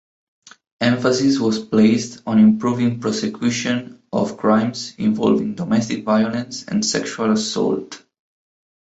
Emphasis was placed on improving prosecution of crimes involving domestic violence and sexual assault.